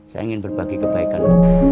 saya ingin berbagi kebaikan